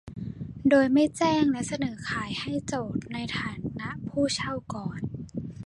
โดยไม่แจ้งและเสนอขายให้โจทก์ในฐานะผู้เช่าก่อน